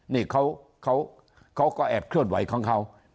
นี่เขาก็แอบเคลื่อนไหวของเขา